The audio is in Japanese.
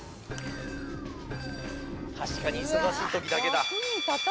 確かに忙しい時だけだ。